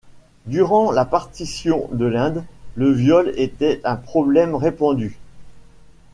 Durant la partition de l'Inde, le viol était un problème répandu.